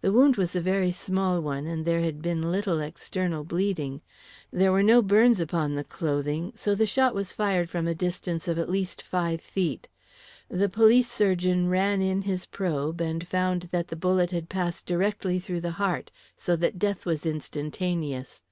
The wound was a very small one, and there had been little external bleeding. There were no burns upon the clothing, so the shot was fired from a distance of at least five feet. The police surgeon ran in his probe, and found that the bullet had passed directly through the heart, so that death was instantaneous.